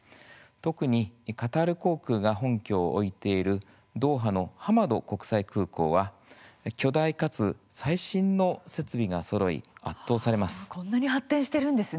特にカタール航空が本拠を置いているドーハのハマド国際空港は巨大かつ最新の設備がそろい圧倒されます。